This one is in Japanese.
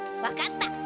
分かった。